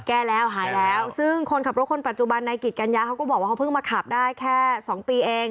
แก้แล้วหายแล้วซึ่งคนขับรถคนปัจจุบันในกิจกัญญาเขาก็บอกว่าเขาเพิ่งมาขับได้แค่สองปีเอง